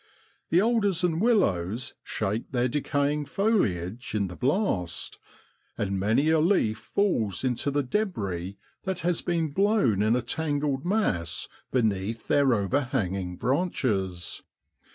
The alders and willows shake their decaying foliage in the blast, and many a leaf falls into the debris that has been blown in a tangled mass beneath their overhanging branches.